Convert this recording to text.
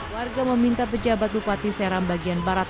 warga meminta pejabat bupati seram bagian barat